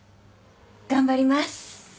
頑張ります。